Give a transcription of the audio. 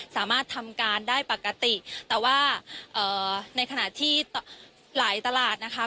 สามารถทำการได้ปกติแต่ว่าเอ่อในขณะที่หลายตลาดนะคะ